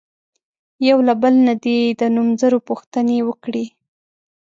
یو له بله نه دې د نومځرو پوښتنې وکړي.